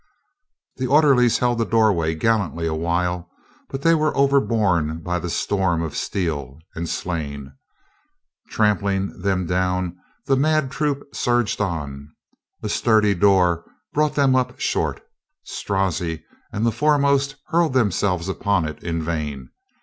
The orderlies held the doorway gallantly a while, but they were overborne by the storm of steel and slain. Trampling them down, the mad troop surged on. A sturdy door brought them up short. Strozzi and the foremost hurled themselves upon it in vain.